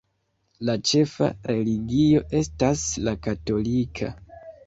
La ĉefa religio estas la katolika.